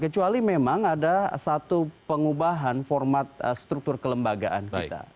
kecuali memang ada satu pengubahan format struktur kelembagaan kita